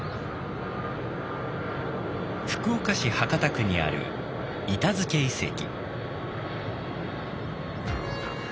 福岡市博多区にある板付遺跡。